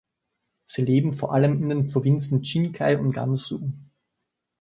Sie leben vor allem in den Provinzen Qinghai und Gansu.